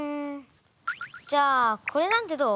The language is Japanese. じゃあこれなんてどう？